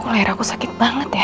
kok layar aku sakit banget ya